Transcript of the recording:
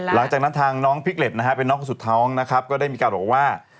หลังจากนั้นทางน้องพลิกเล็ตนะฮะเป็นน้องสุดท้องนะครับก็ได้มีการบอกว่า